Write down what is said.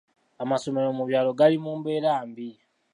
Amasomero mu byalo gali mu mbeera mbi.